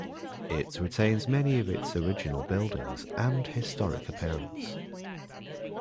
It retains many of its original buildings and historic appearance.